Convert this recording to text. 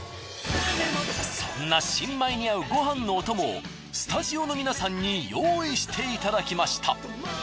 そんな新米に合うごはんのお供をスタジオの皆さんに用意していただきました。